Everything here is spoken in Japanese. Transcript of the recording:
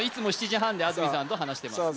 ７時半で安住さんと話してます